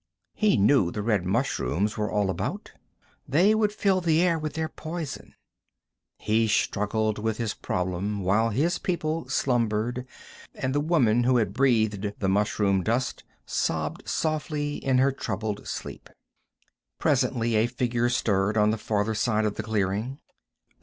He knew the red mushrooms were all about. They would fill the air with their poison. He struggled with his problem while his people slumbered, and the woman who had breathed the mushroom dust sobbed softly in her troubled sleep. Presently a figure stirred on the farther side of the clearing.